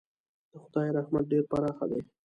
د خدای رحمت ډېر پراخه دی.